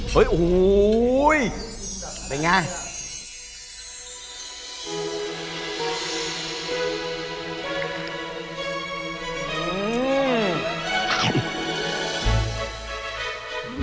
เฮ้ยโอ้โหเป็นไง